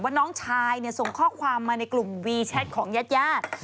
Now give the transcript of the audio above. น้องชายส่งข้อความมาในกลุ่มวีแชทของญาติญาติ